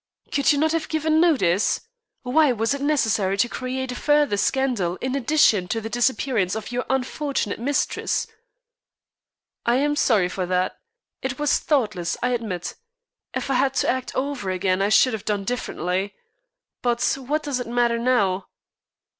"Could you not have given notice? Why was it necessary to create a further scandal in addition to the disappearance of your unfortunate mistress?" "I am sorry for that. It was thoughtless, I admit. If I had to act over again I should have done differently. But what does it matter now?"